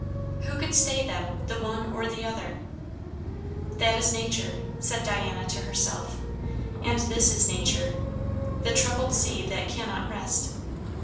Who could stay them, the one or the other? "That is Nature," said Diana to herself; "and this is Nature; 'the troubled sea that cannot rest.'